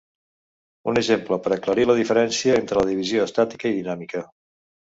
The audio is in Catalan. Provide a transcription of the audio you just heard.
Un exemple per aclarir la diferència entre la divisió estàtica i dinàmica.